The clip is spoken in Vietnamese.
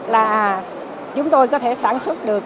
là chúng tôi có thể sản xuất được